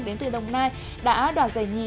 đến từ đồng nai đã đoạt giải nhì